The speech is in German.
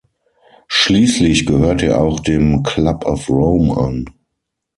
Schließlich gehörte er auch dem Club of Rome an.